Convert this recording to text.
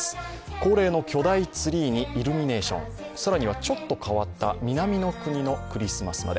恒例の巨大ツリーにイルミネーション、更にはちょっと変わった南の国のクリスマスまで。